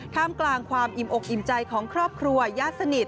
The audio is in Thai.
กลางความอิ่มอกอิ่มใจของครอบครัวญาติสนิท